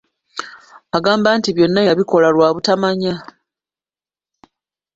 Agamba nti byonna yabikola lwa butamanya.